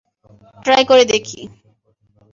Try করে দেখি।